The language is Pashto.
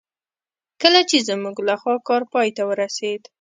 کله چې زموږ لخوا کار پای ته ورسېد.